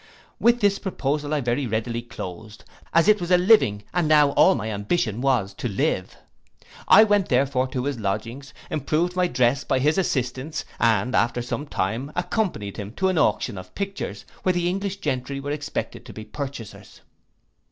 'With this proposal I very readily closed, as it was a living, and now all my ambition was to live. I went therefore to his lodgings, improved my dress by his assistance, and after some time, accompanied him to auctions of pictures, where the English gentry were expected to be purchasers.